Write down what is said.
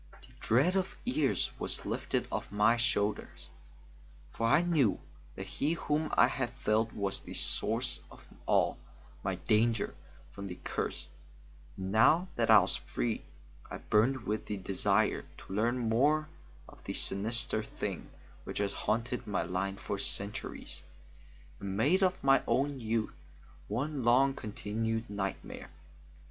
The dread of years was lifted off my shoulders, for I knew that he whom I had felled was the source of all my danger from the curse; and now that I was free, I burned with the desire to learn more of the sinister thing which had haunted my line for centuries, and made of my own youth one long continued nightmare.